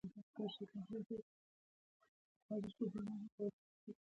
نړیوال اقتصادي قانون د عامه نړیوالو قوانینو یوه څانګه ده